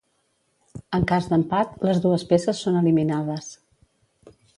En cas d'empat, les dues peces són eliminades.